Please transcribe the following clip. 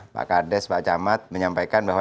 pak kades pak camat menyampaikan bahwa